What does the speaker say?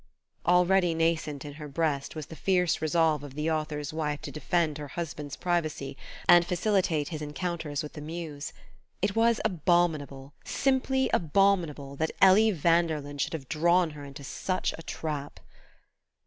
Already nascent in her breast was the fierce resolve of the author's wife to defend her husband's privacy and facilitate his encounters with the Muse. It was abominable, simply abominable, that Ellie Vanderlyn should have drawn her into such a trap!